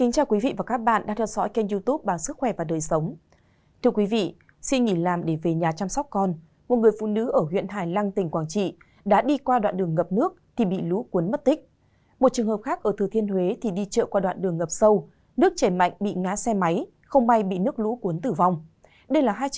chào mừng quý vị đến với bộ phim hãy nhớ like share và đăng ký kênh của chúng mình nhé